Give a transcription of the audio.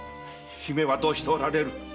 姫はどうしておられる？